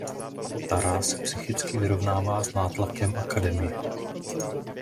Tara se psychicky vyrovnává s nátlakem akademie.